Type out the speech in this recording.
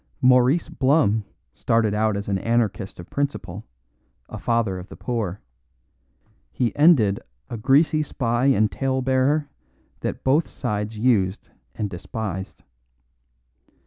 Maurice Blum started out as an anarchist of principle, a father of the poor; he ended a greasy spy and tale bearer that both sides used and despised.